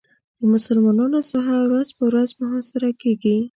د مسلمانانو ساحه ورځ په ورځ محاصره کېږي.